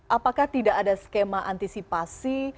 apakah tidak ada skema antisipasi